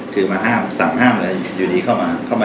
คือมาห้ามสั่งห้ามเลยอยู่ดีเข้ามาเข้ามา